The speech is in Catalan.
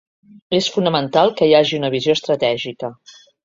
És fonamental que hi hagi una visió estratègica.